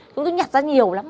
chúng tôi nhặt ra nhiều lắm